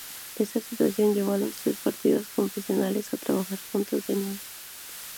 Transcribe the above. Esta situación llevó a los tres partidos confesionales a trabajar juntos de nuevo.